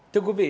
thưa quý vị